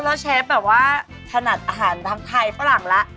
แล้วเชฟแบบว่าถนัดอาหารทั้งไทยฝรั่งแล้ว